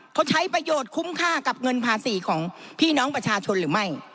เขาใช้ประโยชน์คุ้มค่ากับเงินภาษีของพี่น้องประชาชนหรือไม่